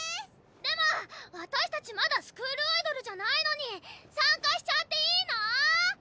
でも私たちまだスクールアイドルじゃないのに参加しちゃっていいの？